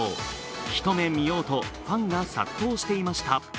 一目見ようとファンが殺到していました。